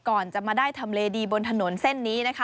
ก่อนจะมาได้ทำเลดีบนถนนเส้นนี้นะคะ